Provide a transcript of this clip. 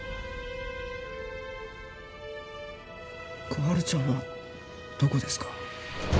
心春ちゃんはどこですか？